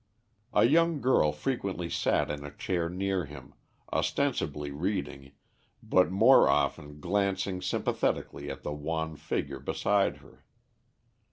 A young girl frequently sat in a chair near him, ostensibly reading, but more often glancing sympathetically at the wan figure beside her.